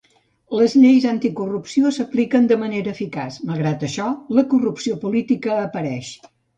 Les lleis anticorrupció s'apliquen de manera eficaç, malgrat això, la corrupció política apareix.